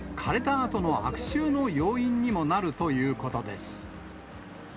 あとの悪臭の要因にもなるということです。